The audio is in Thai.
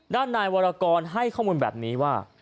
ด้านนายวรกรให้ข้อมูลแบบนี้ว่า